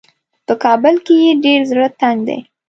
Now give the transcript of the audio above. په کابل کې یې ډېر زړه تنګ دی.